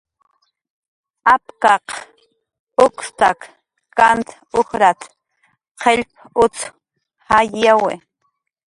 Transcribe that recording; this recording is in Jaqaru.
"Apkaq ukstak kant ujrat"" qillp utz jayyawi."